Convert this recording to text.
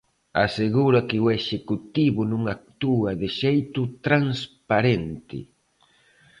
Asegura que o Executivo non actúa de xeito transparente.